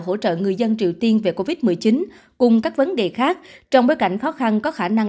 hỗ trợ người dân triều tiên về covid một mươi chín cùng các vấn đề khác trong bối cảnh khó khăn có khả năng